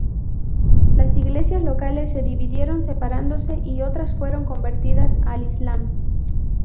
Las Iglesias locales se dividieron separándose y otras fueron convertidas al islam.